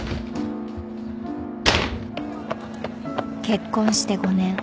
［結婚して５年］